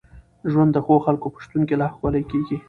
ژوند د ښو خلکو په شتون کي لا ښکلی کېږي.